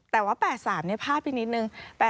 แต่ว่า๘๓พลาดไปนิดนึง